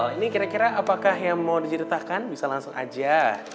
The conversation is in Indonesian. ini kira kira apakah yang mau diceritakan bisa langsung aja